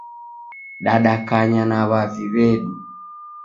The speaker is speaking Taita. Dadakanya na w'avi w'edu.